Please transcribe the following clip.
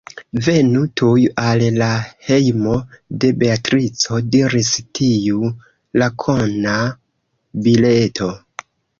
Venu tuj al la hejmo de Beatrico, diris tiu lakona bileto.